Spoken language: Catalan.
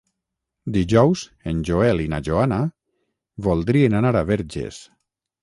Dijous en Joel i na Joana voldrien anar a Verges.